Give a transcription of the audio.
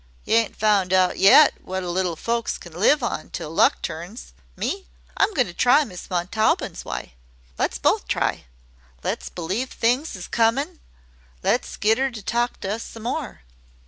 Y' ain't found out yet what a little folks can live on till luck turns. Me, I'm goin' to try Miss Montaubyn's wye. Le's both try. Le's believe things is comin'. Le's get 'er to talk to us some more."